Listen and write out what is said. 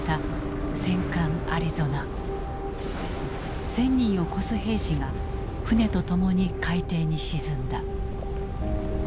１，０００人を超す兵士が船と共に海底に沈んだ。